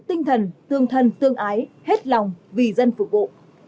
tinh thần tương thân tương ái hết lòng vì dân phục vụ